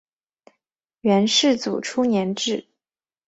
元世祖初年置。